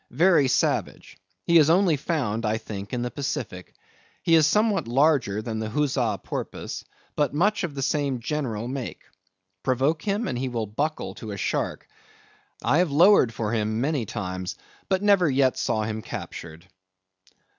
Very savage. He is only found, I think, in the Pacific. He is somewhat larger than the Huzza Porpoise, but much of the same general make. Provoke him, and he will buckle to a shark. I have lowered for him many times, but never yet saw him captured.